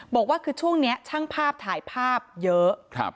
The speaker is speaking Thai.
บอกว่าคือช่วงนี้ช่างภาพถ่ายภาพเยอะ